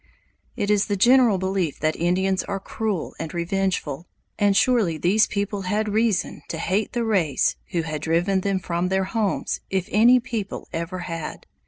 It is the general belief that Indians are cruel and revengeful, and surely these people had reason to hate the race who had driven them from their homes if any people ever had.